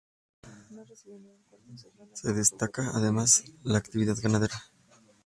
Se destaca además la actividad ganadera.